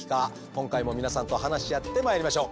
今回も皆さんと話し合ってまいりましょう。